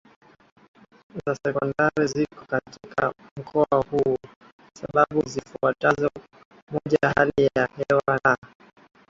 za sekondari ziko katika mkoa huu kwa sababu zifuatazo moja Hali ya hewa na